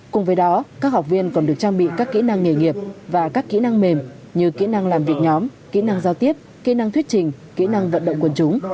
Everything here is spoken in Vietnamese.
cùng với đó các học viên còn được trang bị các kỹ năng nghề nghiệp và các kỹ năng mềm như kỹ năng làm việc nhóm kỹ năng giao tiếp kỹ năng thuyết trình kỹ năng vận động quân chúng